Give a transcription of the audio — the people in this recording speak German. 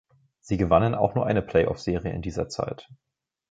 Sie gewannen auch nur eine Play-off-Serie in dieser Zeit.